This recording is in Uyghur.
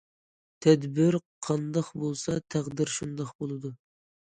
تەدبىر قانداق بولسا، تەقدىر شۇنداق بولىدۇ.